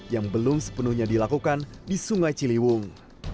yang belum sepenuhnya dilakukan di sungai ciliwung